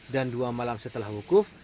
dan dua malam setelah wukuf